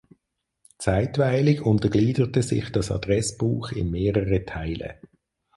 Zeitweilig untergliederte sich das Adressbuch in mehrere Teile.